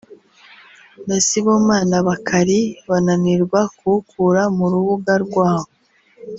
na Sibomana Bakari bananirwa kuwukura mu rubuga rwabo